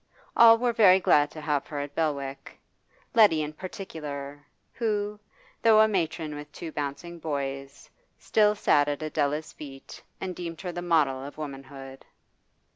All were very glad to have her at Belwick Letty in particular, who, though a matron with two bouncing boys, still sat at Adela's feet and deemed her the model of womanhood.